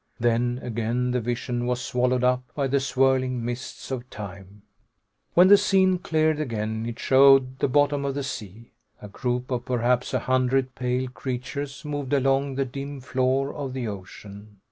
Then again the vision was swallowed up by the swirling mists of time. When the scene cleared again, it showed the bottom of the sea. A group of perhaps a hundred pale creatures moved along the dim floor of the ocean.